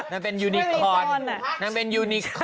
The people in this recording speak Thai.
นั่นเป็นยูนิคคอน